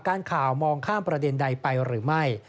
ข่าวมองข้ามประเด็นใดไปหรือไม่